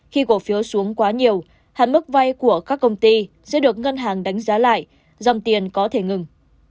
khi cổ phiếu xuống quá nhiều hạn mức vay của các công ty sẽ được ngân hàng đánh giá lại dòng tiền có thể ngừng